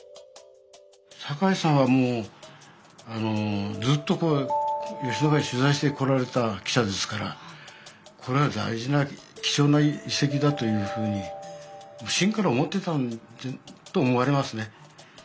坂井さんはもうずっと吉野ヶ里取材してこられた記者ですからこれは大事な貴重な遺跡だというふうにしんから思ってたと思われますね。